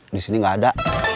disini gak ada